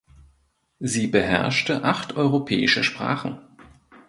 Sie beherrschte acht europäische Sprachen.